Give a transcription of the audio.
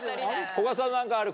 古閑さん何かある？